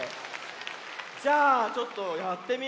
じゃあちょっとやってみようか。